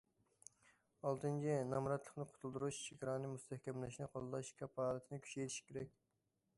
ئالتىنچى، نامراتلىقتىن قۇتۇلدۇرۇش، چېگرانى مۇستەھكەملەشنى قوللاش كاپالىتىنى كۈچەيتىش كېرەك.